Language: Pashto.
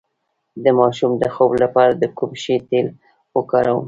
د ماشوم د خوب لپاره د کوم شي تېل وکاروم؟